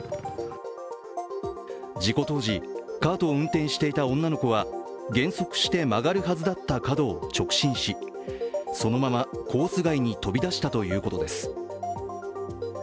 事故当時、カートを運転していた女の子は減速して曲がるはずだった角を直進しそのままコース外に飛び出したということです。